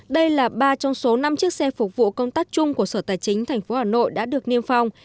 đây là ba trong số năm chiếc xe phục vụ công tác chung của sở tài chính tp hà nội đã được niêm phong